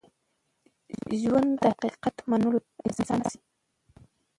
ژوند د حقیقت منلو ته انسان اړ باسي.